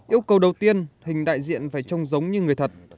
yêu cầu đầu tiên hình đại diện phải trông giống như người thật